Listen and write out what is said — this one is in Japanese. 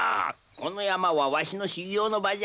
この山はわしの修行の場じゃ。